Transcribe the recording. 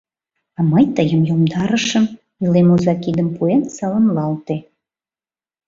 — А мый тыйым йомдарышым, — илем оза кидым пуэн саламлалте.